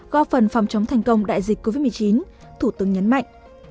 góp phần phòng chống thành công đại dịch covid một mươi chín thủ tướng nhấn mạnh